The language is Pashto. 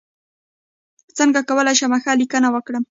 څنګه کولی شم ښه لیکنه وکړم